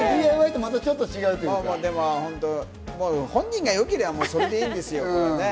ＤＩＹとまたちょっと違うという本人がよけりゃそれでいいんですよ。